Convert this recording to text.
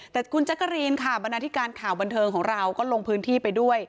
แต่คุณแจ๊กกะรีนค่ะบรรณาธิการข่าวบันเทิงของเราก็ลงพื้นที่ไปด้วย